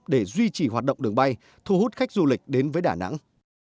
để duy trì hoạt động đường bay thu hút khách du lịch đến với đà nẵng